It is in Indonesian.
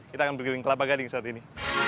kita akan berkeliling kelapa gading saat ini